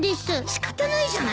仕方ないじゃないか。